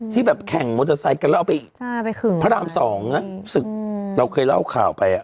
ที่แบบแข่งมอเตอร์ไซด์กันแล้วเอาไปพระดาม๒น่ะเราเคยเล่าข่าวไป